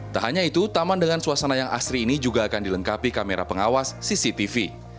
tak hanya itu taman dengan suasana yang asri ini juga akan dilengkapi kamera pengawas cctv